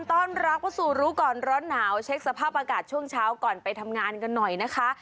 ต้อนรับเข้าสู่รู้ก่อนร้อนหนาวเช็คสภาพอากาศช่วงเช้าก่อนไปทำงานกันหน่อยนะคะ